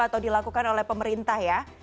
atau dilakukan oleh pemerintah ya